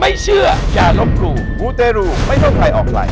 ไม่เชื่ออย่ารบกูหมู่เตรูไม่ต้องใครออกไหล